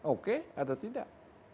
oke atau tidak